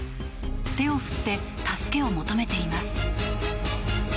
手を振って助けを求めています。